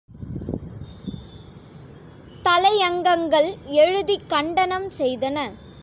தலையங்கங்கள் எழுதிக் கண்டனம் செய்தன.